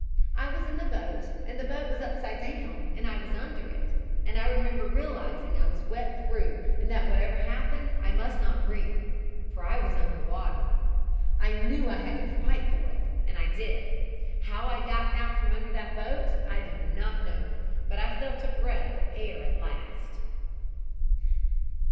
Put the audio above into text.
I was in the boat and the boat was upside down and I was under it. And I remember realizing I was wet through, and that whatever happened I must not breathe, for I was under water. "I knew I had to fight for it and I did. How I got out from under the boat I do not know, but I felt a breath of air at last.